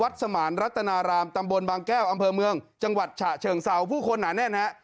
ตำบลบางแก้วอำเภอเมืองจังหวัดฉะเชิงเซาผู้คนหนาแน่นนะฮะ